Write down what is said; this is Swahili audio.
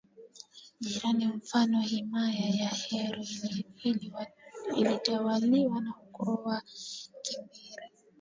Jirani mfano himaya ya heru ilitawaliwa na ukoo wa wakimbiri